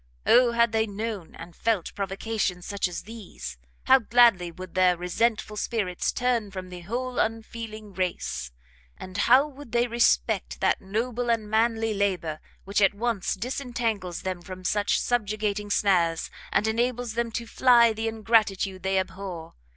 Oh had they known and felt provocations such as these, how gladly would their resentful spirits turn from the whole unfeeling race, and how would they respect that noble and manly labour, which at once disentangles them from such subjugating snares, and enables them to fly the ingratitude they abhor!